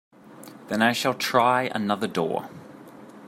Then I shall try another door.